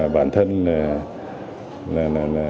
bản thân là